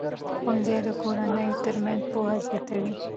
ښوونځي د کورنیو ترمنځ پوهه زیاتوي.